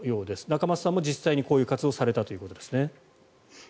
仲正さんも実際にこういう活動をされたということですね。